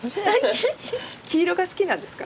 黄色が好きなんですか？